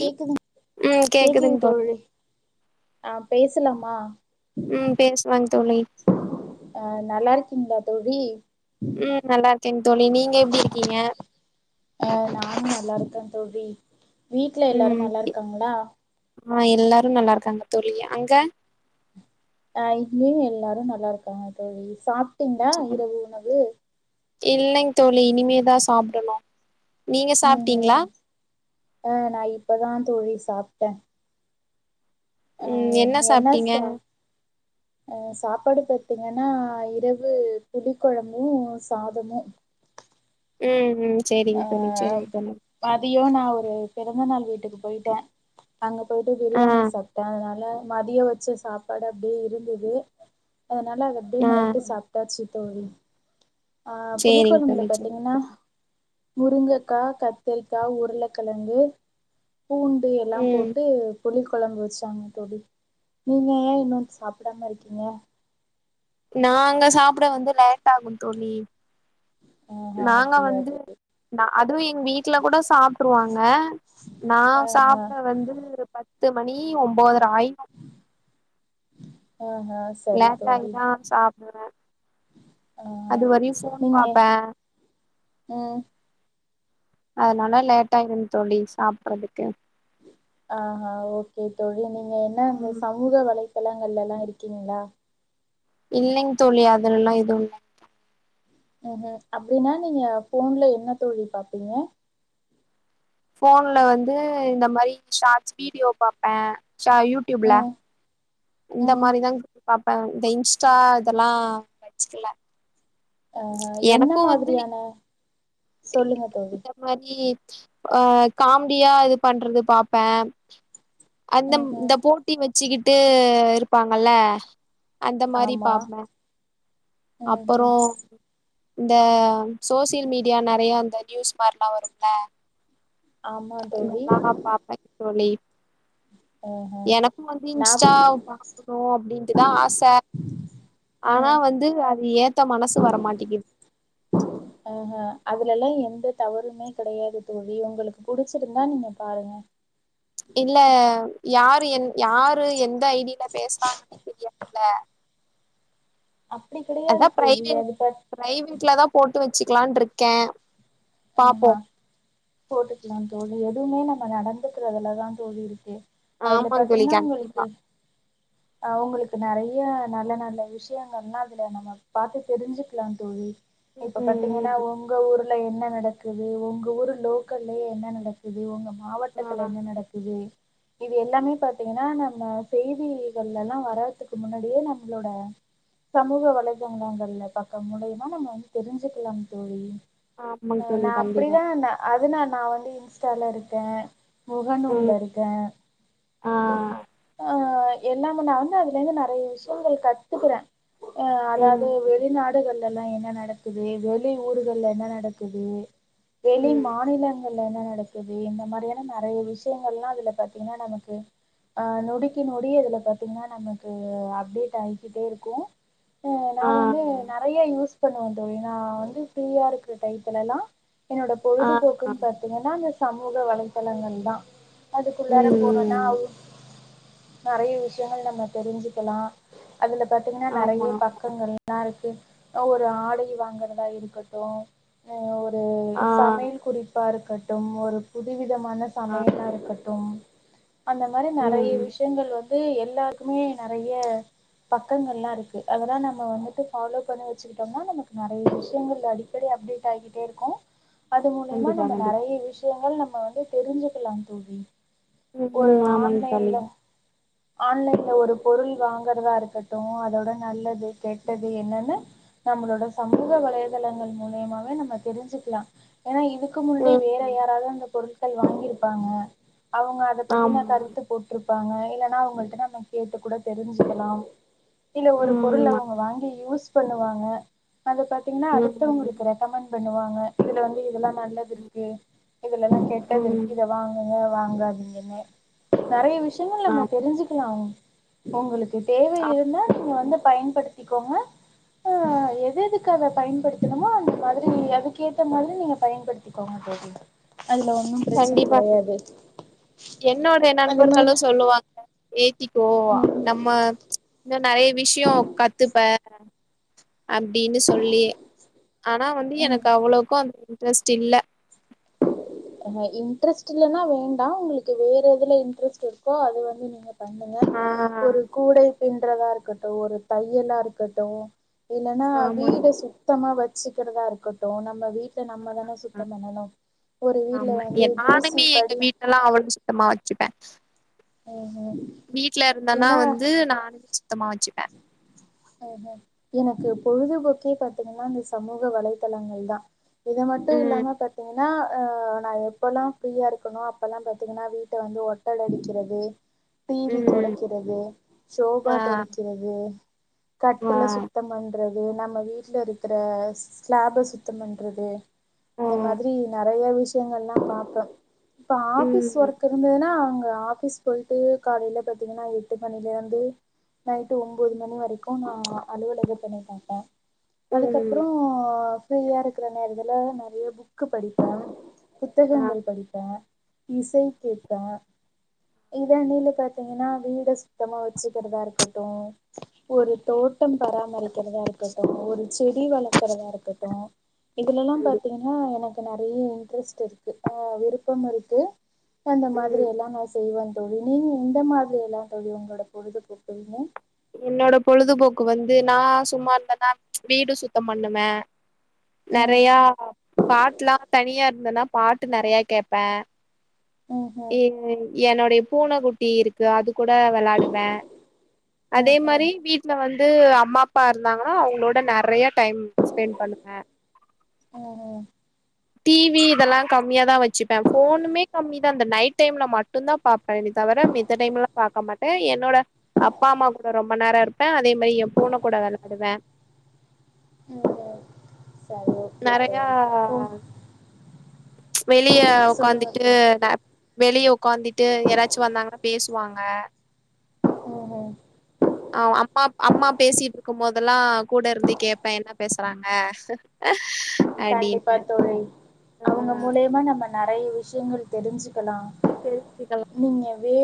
கேக்குது உம் கேக்குதுங் தோழி ஆஹ் பேசலாமா ம் பேசலாங் தோழி அஹ் நல்லா இருக்கீங்களா தடி உம் நல்லா இரு ங்க தோழி நீங்க எப்படி இருக்கீங்க அஹ் நானும் நல்லா இருக்கேன் தோழி வீட்டு்ல எல்லாரும் நல்லா இருக்காங்களா ஆஹ் எல்லாரும் நல்லா இருக்காங்க தோழி அங்க ஆஹ் இங்கயும் எல்லாரும் நல்லா இருக்காங்க தோழி சாப்பிட்டீங்களா இரவு உணவு இல்லைங் தோழி இனிமேதான் சாப்பிடணு உஹம் ஆஹ் நான் இப்பதான் தோழி சாப்பிட்டே அப்ற உம் என்ன சாப்பிட்டீங்க அஹ் சாப்பாடு பாத்தீங்கன்னா இரவு புளி குழம்பு சாதமு உம் உம் அஹ் மதியோ நான் ஒரு பிறந்த நாள் வீட்டு ட்டுக்கு போயிட்டேன் அங்க போயிட்டு ஆ பிரியாணி சாப்ட்டேன் அதனால மதிய வச்ச சாப்பாடு அப்படியே இருந்தது அதனால அத அப்டே ஆ நைட்டு சாப்பிட்டாச்சு தோழி ஆஹ் சேரிங் புளிக்கொழம்புல தோழி சேரிங் பாத்தீங்கன்னா தோழி முருங்கக்காய் கத்தரிக்காய் உருளைக்கிழங்கு பூண்டு எல்லாம் ம் போட்டு புளி குழம்பு வச்சாங்க தோழி நீங்க ஏன் இன்னும் சாப்டாம இருக்கீங்க நாங்க சாப்பிட வந்து லேட் ஆகும் தோழி ஆஹா நாங்க அப்டியா வந்து தோழி அதுவும் எங்க வீட்டுல கூட சாப்ட்ருவாங்க நான் ஆஹா சாப்பிட வந்து பத்து பத்து மணி ஒன்பது ராய ஆஹா சரி லேட்ட தோழி ஆகிதான் சாப்டுவேன் ஆஹா அதுவரையு ஃபோன் நீங்க பாப்பேன் ம் அதனால லேட்டாயிரு தோழி சாப்பிறதுக்கு ஆஹ் ஹ ஓகே தோழி நீங்க என்ன அந்த ம் சமூக வலைதல நல்ல எல்லா இருக்கீங்களா இல்லைங்க தோழி அதுலல்லாம் எதுவு இல்ல உ ஹும் அப்படின்னா நீங்க போன்ல என்ன தோழி பாப்பீங்க போன்ல வந்து இந்த மாதிரி ஷார்ட்ஸ் வீடியோ பாப்பேன் சா யூடியூப்ல ம் இந்த ம் மாதிரிதா பாப்பேன் இந்த இன்ஸ்டா இதெல்லாம் வச்சுக்கல அஹ் என்ன எனக்கு வந்து மாதிரியான சொல்லுங்க தோழி ஆஹ் காமெடியா இது பண்றது பாப்பேன் அந்த ம்ஹ்ம். இந்த போட்டி வச்ச வச்சுிக்கிட்டு இருப்பாங்கல அந்த மாதிரி ஆமா. பாப்பேன் ம்ஹ்ம். அப்புறம் இந்த சோசியல் மீடியா நிறைய இந்த நியூஸ் மாதிரிலாம் வரும்ல ஆமா தோழி. எல்லாம் பாப்ப தோழி எனக்கும் வந்து நா இன்ஸ்டா பாக்கணும் அப்படின்ட்டுதான் ஆசை ஆனா வந்து அது ஏத்த மனசு வரமாட்டேக்குது எல்லா எந்த தவறுமே கிடையாது தோழி உங்களுக்கு புடிச்சிருந்தா நீங்க பாருங்க இல்ல யாரு என் யாரு எந்த ஐ டி-ல பேசுறாங்கன் தெரியாதுல்ல. அப்டி கெடையாது அதா தோழி. பிரைவேட் அது பாத் பிரைவேட்ல தா போட் ட்டு வச்சிக்கலான்ட்ருக்கே. ஆஹா. பாப்போம் போட்டுக்கலாம் தோழி. எதுவுமே நம்ம நடந்துக்கறதுலதா தோழி இருக்கு. ஆமா தோழி கண்டிப்பா ஹ் அவங்களுக்கு நெறைய்ய நல்ல நல்ல விசயங்கள்லாம் அதுல நம்ம பாத்து தெரிஞ்சுக்கலாம் தோழி. ம் இப்ப ம் பாத்தீங்கன்னா ஒங்க ஊரு இல்ல [unintelligible] நடக்குது. ஒங்க ஊர் லோக்கல்லயே என்ன நடக்குது ஒங்க ம் மாவட்டத்துல என்ன ஆ நடக்குது? இது எல்லாமே பாத்தீங்ன்னா நம்ம செய்திகள்ல எல்லா வரதுக்கு முன்னாடியே நம்ளோட சமூக வலைதளங்கள்ல பக்கம் மூலியமா நம்ம வந்து தெரிஞ்சிக்கலாம் தோழி. ஆமாங் நா தோழி கண்டிப்பா அப்டிதா நா அதனா நா வந்து இன்ஸ்டால இருக்கே. முகநூல்ல ம் இருக்கே ஆ ஆஹ் எல்லாமு நா வந்து அதுல இருந்து நெறைய விஷயங்கள் கத்துக்றே. ஆஹ் ம் அதாவது வெளிநாடுகள் தெல்லா என்ன நடக்குது வெளி ஊர்கள்ல என்ன நடக்கு குது வெளி ம் மாநிலங்கள் இதுல என்ன நடக்குது எந்ந மாரியான நெறைய விசயங்கள்லா அதுல பாத்தீங்ன்னா நமக்கு ஆஹ் நொடிக்கு நொடி இதுல பாத்தீங்கன்னா நமக்கு அப்டேட் ஆகிக்கிட்டே இருக்கு அ நா ஆ வந்து நெறைய யூஸ் இப்ப நா வந்தீங்னா வந்து ஃப்ரீயா இருக் ட்ரை பண்ணலா என்னோட ஆ பொழுதுபோக்குன்னு ம் பாத்தீங்கன்னா அந்த சமூக வலைதளங்கள்தா அதுக்குள்ளார போனோன்னா ம் நெறைய விஷயங்கள் நம்ம தெரிஞ்சிக்கலா. அதுல பார்த்திங்கன்னா ஆமா நெறைய்ய பக்கங்கள்லா இருக்கு. ஒரு ஆடை வாங்கறதா இருக்கட்டு ஓர் ஆ சமையல் குறிப்பாருக் கட்டும் ஒரு புது வி விதமான ஆ சமையலா இருக்கட்டு அந்த மாரி நெறைய்ய ம் விஷயங்கள் வந் அது எல்லாருக்குமே நெறைய பக்கங்கள்லா இருக்கு அதெல்லா நம்ம வந்துட்டு ஃபாலோ பண்ணி வச்சுக்கிட்டோம்னா நமக் நெறைய விஷயங்கள் அடிக்கடி அப்டேட் டாகிட்டே இருக்கு அது மூலியமா கண்டிப்பா நம்ம கண்டிப்பா நெறைய விஷ ஷயங்கள் நம்ம வந்து தெரிஞ்சுக்கலா தோழி ம் ஒரு ம் ஆமாங் தோழி ஆன்லைன்ல ஆன்லைன்ல ஒரு பொருள் வாங்கறதா இருக்கட்டு அதோட நல்லது கெட்டது என்னன்னு நம்மளோட சமூக வலைதளங்கள் மூலியமா நம்ம தெரிஞ்சுக்கலா ஏனா இதுக்கு முன்னுடே ம் வேற ம் யாராவது அந்த பொருள் கள் வாங்கிருப்பாங்க அவங்க அத பத்தின ஆமா கருத்து போட்ருப் பாங்க இல்லன்னா அவங்கள்ட நம்ம கேட்டு கூட தெரிஞ்சுக்கலாம் இல்ல ஒரு பொருள் ம் ஆமா அவங்க வாங்கி யூஸ் பண்ணுவாங்க அது பாத்தீங்கன்னா அடுத்தவங்க ம் இருக்குற பண்ணுவாங்க இதுல வந்து இதெல்லா நல்லது இருக்கு இதுலல்லா கெட்டது ம் இருக்கு இதலா வாங்காதீங்கன்னு நிறைய விஷ் யங்கள் ஆ நம்ம தெரிஞ்சுக்கலாங் உங்களுக்கு தேவை ஆ இருந்தா நீங்க வந்து பயன்படுத்த க்கோங்க ஆஹ் எது எதுக்கு அத பயன்படுத்தணுமோ அங்க மாதிரி அதுக்குே ஏத்த மாதிரி நீங்க பயன்படுத்திக்கோங்க தோழி அதுல ஒன்னும் பிரச்சன கண்டிப்பா கெடையாது கண்டிப்பா என்னோட அதே நண்பர்களு மாரி சொல்லுவாங்க இப்போ ம் நம்ம இன்னு நிறைய விஷயே கத்துப்ப அப்படின்னு சொல்லி ஆனா வந்து ம் எனக்கு அவ்வளோக்கு அந் ரெஸ்ட் இல்ல இன்ட்ரெஸ்ட் இல்ன்னா வேண்டா உங்களுக்கு வேற எதுல இன்ட்ரெஸ்ட் இருக்கோ அது வந்து நீங்க பண்ணுங்க ஆ ஒரு கூடை பின் றதா இருக்கட்டு ஒரு தையலா இருக்கட்டு இலலனா ஆமாங்க வீடு தோழி சுத்தம் வச் சிக்கிரதா இருக்கட்டு நம்ம வீட் டே நம்மதானே ஆ சுத்தம் பண்ணணு ஒரு வீட்ல ஆமா வந்து தூசி நானுமே எங்க படி வீட்டுல எல்லாம் அவ்வளவு சுத்தமா சுப்பன் ம் ம் வீட்டு்ல இருந்தனா ஏன்னா வந்து நான சுத்தமா வச்சுப்பேன் அஹ் எனக்கு பொழுதுபோக்கே பாத்தீங்கன்னா இந்த சமூக வலைத்தளங்கள் தான் இதை மட்டும் ம். இல்லாம பாத்தீங்கன்னா நான் எப்பல்லாம் ஃப்ரீயா இருக்கனோ அப்பல்லாம் பாத்தீங்கன்னா வீட்டை வந்து ஒட்டட அடிக்கிறது டிவி ம். தொடக்கிறது ஷோபா ஆ, தொடக்கிறது ஆ, கட்டுல சுத்த பண்ணி றது நம்ம வீட்டுல இருக்கிற ஸ்லாப சுத்தம் பண்றது ஆ, இந்த மாதிரி நிறைய விஷயங்கள்லாம் பாப்பேன் இப்ப ஆபீஸ் ம், ஒர்க் இருந்ததுன்னா ஆபிஸ் போயிட்டு காலல பாத்தீங்கன்னா எட்டு மணில இருந்து நைட்டு் ஒன்பது மணி வரைக்கு க்கும் நான் அலுவலக பண்ணி பாப்பேன் ம், அதுக்கப்புறம் ஃப்ரீயா இருக்கற நேரத்தில் நிறைய புக் படிப்பேன் ஆ, புத்தகங்கள் படிப்ப இசை கேப்ப இதாண்டில பாத்தீங்கன்னா வீட சுத்தமா வச்சுக்கிறதா இருக்கட்டு ஒரு தோட்டம் பராமரிக்கிறதா இருக்கட்டு ஒரு செடி வளர்க இருக்கிறதா இருக்கட்டு இதுலெல்லா பாத்தீங்கன்னா எனக்கு நறைய இன்ட்ரெஸ்ட் இருக்கு ஆ விருப்பம் இருக்கு அப்ப அந்த மாதிரி ம். எல்லா நா செய்வன் தோழி நீங்க எந்த மாதிரி எல்லா தோழி உங்களோட பொழுதுபோக்குரிங்க என்னோட பொழுதுபோக்கு வந்து நா சும்மா இருந்தன வீடு சுத்தம் பண்ணுவே ம் நெறையா பாட்டுல்லா தனியா இருந்தேன்னா பாட்டு நெறைய கேட்பே ம் ம் என்னுடைய பூனை குட்டி இருக்கு அது கூட விளையாடுவே அதே ம் ம் மாரி வீட்டு்ல வந்து வந்து அம்மா அப்பா இருந்தாங்கன்னா அவங்களோட நறையா டைம் ஸ்பெண்ட் பண்ணுவ ம் ம் டிவி இதெல்லா கம்மியாதா வச்சுப்பே போனூமே கம்மிதா இந்த நைட் டைம்ல மட்டும்தா பாப்பே நீ தவிர மித்த டைம் எல்லா பாக்க மாட்டே என்னோட அப்பா அம்மா கூட ரொம்ப நேரோ இருப்பே அதே மாரி என் போனை கூட வெளையாடுவே உம் ம் சரி ஓக்கே ஓக்கே நெறையா ம் ம்ச் வெளிய சொல்லுங்க உ்க்காந்துட்டு தோழி வெளியே உ்க்காந்துட்டு யாராச்சு வந்தாங்கன்னா பேசுவாங்க ம் ம் ஆ அம்மா அம்மா பேசிட்ருக்கு போதெல்லா கூட இருந்து கேட்பே என்ன பேசுறாங்க கண்டிப்பா அப்டின்னு தோழி ஆ அவுங்க மூலியமா நம்ம நறை ய விஷயங்கள் தெரிஞ்சு க்லா தெரிஞ்சுக்கலா நீங்க வே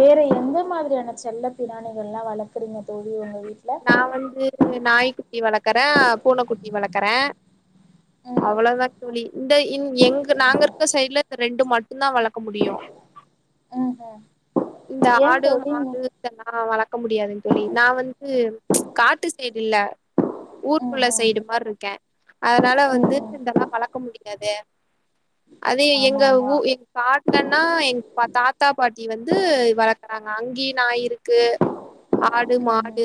வேற எந்த மாதிரியான செல்ல பிராணிகள் எல்லா வளக்குறீங்க தோழி உங்க வீட்ல நா வந்து நாய்க்குட்டி வளக் கற பூனைக்குட்டி வளர்க்கற ம் அவ்வளதா தோழி இந்த இங் எங்க நாங்க இருக்க சைட்ல இந்த ரெண்டு மட்டுந்தா வளக்க முடியு ம் ம் இந்த ஏ ஆடு தோழி நீ மாடு இதெல்லா வளக் க முடியாதுங் தோழி நா வந்த் து காட்டு சைடுல்ல ம் ஊருக்குள்ள ம் சைடு மாரிக்கே அதனால ம் வந்து ம் இதெல்லா வளக்க முடியாது அதே ஆமா எங்க ஆமா ஊ எங் காட்டுலன்னா எங்க பா தாத்தா பாட் டி வந்து வளக்கறாங்க அங்கியு நாய் இருக்கு ஆடு ம் மாட் ம்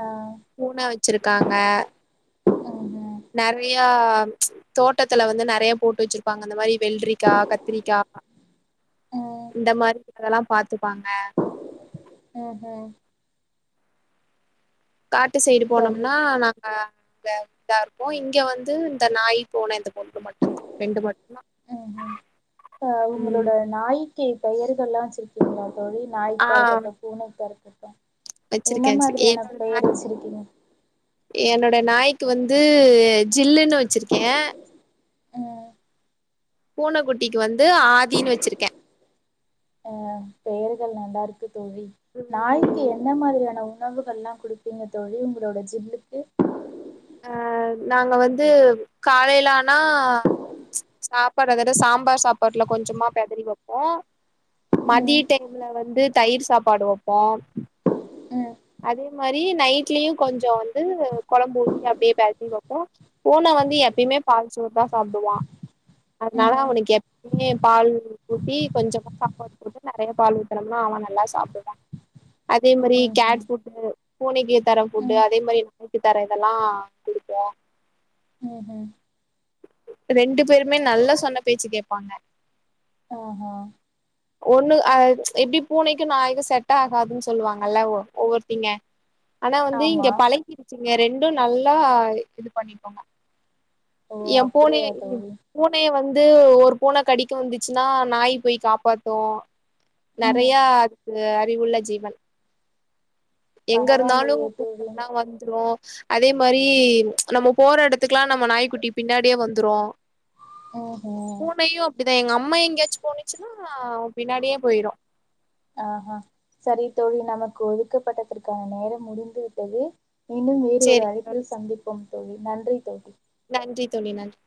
ஆ பூன வச்சிருக்காங்க ம் ம் ஆஹ் தோட்டத்துல வந்து நெறையப் போட்டு வச்சிருப்பாங்க அந்த மாரி வெல்ரிக்கா கத்திரிக்கா ம் இந்த மாரி ரிக்கு அதெல்லாம் பாத்துப்பாங்க உம் ஹும் காட்டு சைடு சரி போனோம்னா நாங்க த இதா இருக்கும் இங்க வந்து இந்த நாயி பூன இந்த ரெண்டு மட்டுந்தான் ரெண்டு மட்டுந்தான் ஆஹ் உங்களோட நாயிக்கி பெயர்கள்லாம் வச்சிருக்கீங்ளா தோழி நாய்க்கா இருக்கட்டும் பூனைக்கா இருக்கட் [unintelligible] வச்சிருக்கேன் வச்சிருக்கேன் என்னோட நாய் வச்சிருக்கீங்க என்னோ ட நாய்க்கு வந்து ஜில்லுன்னு வச்சிருக்கேன் ம் பூனக்குட்டிக்கு வந்து ஆதின்னு வச்சிருக்கேன் ஆஹ் பெயர்கள் நல்லாருக்குத் தோழி நாய்க்கு ம் என்ன மாதிரியான உ ணவுகள்ல்லாம் குடுப்பீங்க தோழி உங்ளோட ஜில்லுக்கு அஹ் நாங்க வந்து காலேல ஆனா சாப்பாட்ற தொட சாம்பார் சாப்பாட்ல கொஞ்சமா பெதறி வப்போம் ம் மதிய டய்ம்ல வந்து தயிர் சாப்பாடு வப்போம் உம் அதே மாரி நைட்லியும் கொஞ்சம் வந்து கொழம்பு ஊத்திட்டு அப்டியே பெத்றி வப்போம் பூன வந்து எப்பிமே பால் சோறு தான் சாப்டுவான் அத்னால ம் அவனுக்கு எப்பிமே பால் ஊத்தி கொஞ்சமா சாப்பாட்போட்டு நெறைய பால் ஊத்தனம்னா அவன் நல்லா சாப்டுவான் அதே மாரி ம்ஹும் கேட்ஸ் பூனைக்கு தரம் புட்டு ம் ம் அதே மாதிரி நாய்க்கு தரதெல்லாம் குடுப்போம் ஹும் ஹும் ரெண்டு பேருமே நல்லா சொன்ன பேச்சு கேட்பாங்க ஹு ஹும் ஒண்ணு எப்படி பூனைக்கு நாய்க்கும் செட் ஆகாதுன்னு சொல்லுவாங்கல்ல ஒவ்வொருத்திங்க ஆனா வந்து இங்க ஆமா பழங்கிடுச்சு நீங்க ரெண்டும் நல்லா இது பண்ணிக்கோங்க ஓ என் பூன அப்படியா தோழி பூனைய வந்து ஒரு பூனை கடிக்க வந்துச்சுன்னா நாய் போய் காப்பாத்து க்கு ம் நிறைய அதுக்கு அறிவுள்ள ஜீவன் எங்க இருந்தாலும் பரவாயில்லையே தோழி கூப்டம்னா வந்துரும் அதே மாதிரி நம்ம போற இடத்துக்குல்லாம் நம்ம நாய்க்குட்டி பின்னாடியே வந்துரும் ஹு ஹும் இப்ப எங்க அம்மா எங்கேயாச்சும் போணச்சுன்னா பின்னாடியே போயிடும் ஆஹ்ஹ சரி தோழி நமக்கு ஒதுக்கப்பட்டதற்கான நேரம் முடிந்து விட்டது மீண்டும் வேறு ஒரு சேரிங்க தோழி அழைப்பில் சந்திப்போம் தோழி நன்றி தோழி நன்றி தோழி நன்றி